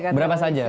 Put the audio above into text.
bisa berapa saja kan